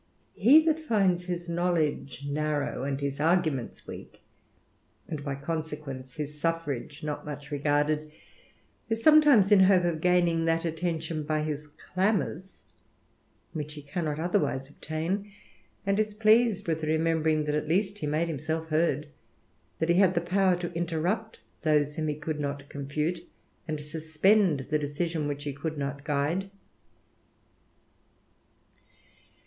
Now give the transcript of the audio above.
He that finds his knowledge narrow, and his arguments weak, and by consequence his suffrage not much regarded, is sometimes in hope of gaining that attention by his clamours which he cannot otherwise obtain, and is pleased with remembering that at least he made himself heard, that he had the power to interrupt those whom he could not confute^ and suspend the decision which he could not guide.